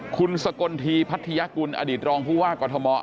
คุณสกลทีพัทยากุลอดีตรองผู้ว่ากอทม